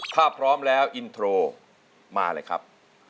ถ้าพร้อมแล้วอินโทรมาเลยครับ